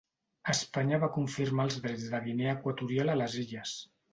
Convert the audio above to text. Espanya va confirmar els drets de Guinea Equatorial a les illes.